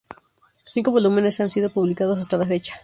Cinco volúmenes han sido publicados hasta la fecha.